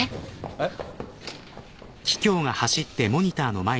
えっ？